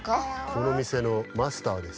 このみせのマスターです。